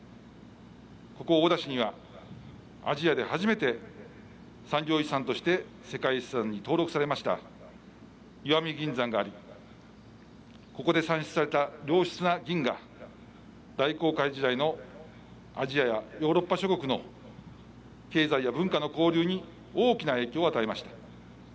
ここ大田市にはアジアで初めて産業遺産として世界遺産に登録されました石見銀山がありここで産出された良質な銀が大航海時代のアジアやヨーロッパ諸国の経済や文化の交流に大きな影響を与えました。